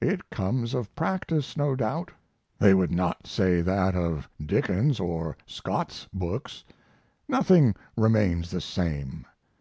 It comes of practice, no doubt. They would not say that of Dickens's or Scott's books. Nothing remains the same.